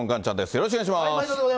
よろしくお願いします。